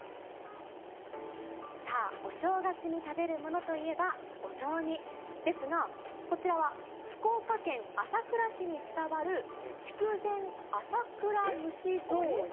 さあ、お正月に食べるものといえばお雑煮ですが、こちらは福岡県朝倉市に伝わる筑前朝倉蒸し雑煮。